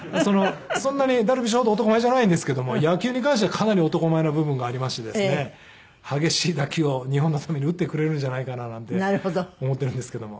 そんなにダルビッシュほど男前じゃないんですけども野球に関してはかなり男前な部分がありましてですね激しい打球を日本のために打ってくれるんじゃないかななんて思っているんですけども。